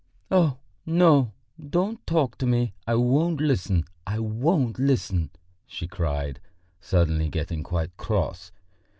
"Oh, no, don't talk to me, I won't listen, I won't listen," she cried, suddenly getting quite cross.